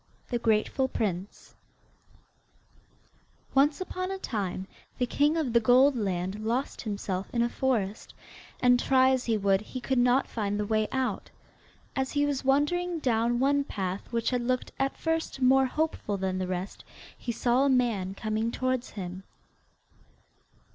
THE GRATEFUL PRINCE Once upon a time the king of the Goldland lost himself in a forest, and try as he would he could not find the way out. As he was wandering down one path which had looked at first more hopeful than the rest he saw a man coming towards him.